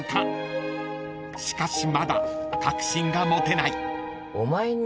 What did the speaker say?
［しかしまだ確信が持てない］